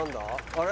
あれ？